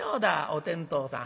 お天道さん